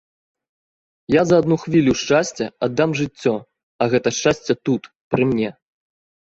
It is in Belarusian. Я за адну хвілю шчасця аддам жыццё, а гэта шчасце тут, пры мне.